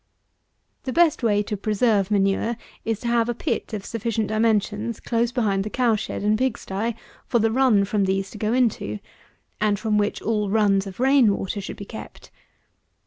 The best way to preserve manure, is to have a pit of sufficient dimensions close behind the cow shed and pig sty, for the run from these to go into, and from which all runs of rain water should be kept.